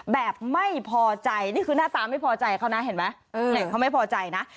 แบบไม่พอใจนี่คือหน้าตาไม่พอใจเขานะเห็นไหมเด็กเขาไม่พอใจนะ